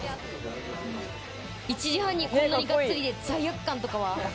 １時半にこんなにガッツリで罪悪感とかは？